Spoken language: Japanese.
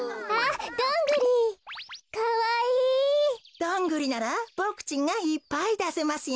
ドングリならボクちんがいっぱいだせますよ。